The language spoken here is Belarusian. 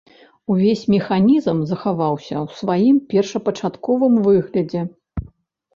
Увесь механізм захаваўся ў сваім першапачатковым выглядзе.